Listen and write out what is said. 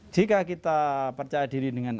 jika kita percaya diri dengan